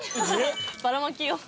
ばらまき用。